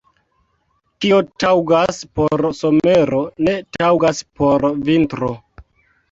Kio taŭgas por somero, ne taŭgas por vintro.